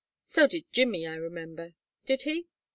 So did Jimmy, I remember. Did he?"